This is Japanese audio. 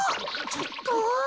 ちょっと。